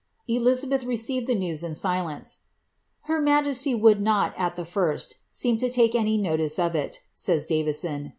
EtiMbeih received the news in silence.' "H jesty would not, at the firal, seetn to take any liolioe of it," rbti DkT> son.